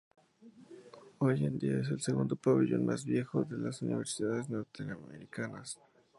Hoy en día es el segundo pabellón más viejo de las universidades norteamericanas.